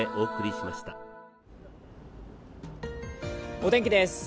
お天気です。